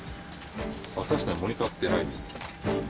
確かにモニター映ってないですね。